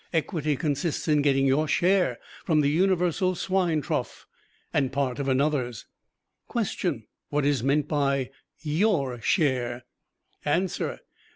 Equity consists in getting your share from the Universal Swine Trough, and part of another's. "Question. What is meant by 'your share'?" "Answer.